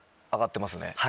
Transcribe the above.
上がってますね。